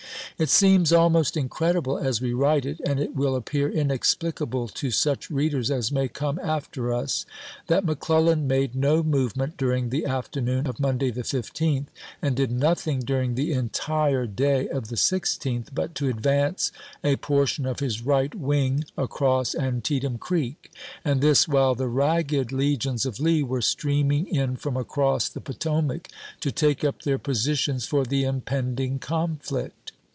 It seems almost incredible, as we write it, and it will appear inexplicable to such readers as may come after us, that McClellan made no movement during the afternoon^ of Monday, the 15th, and did nothing during the entire day of the 16th but to advance a portion of his right wing across An tietam Creek, and this while the ragged legions of Lee were streaming in from across the Potomac to take up their positions for the impending conflict.